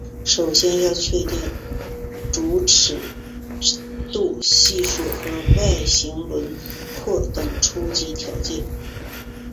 首先要确定主尺度系数和外形轮廓等初始条件。